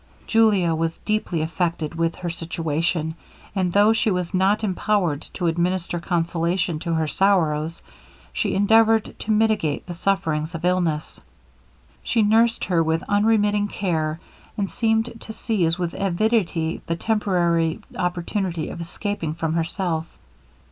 Julia was deeply affected with her situation, and though she was not empowered to administer consolation to her sorrows, she endeavoured to mitigate the sufferings of illness. She nursed her with unremitting care, and seemed to seize with avidity the temporary opportunity of escaping from herself.